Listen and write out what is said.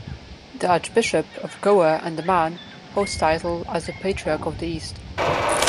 The Archbishop of Goa and Daman holds title as the Patriarch of the East.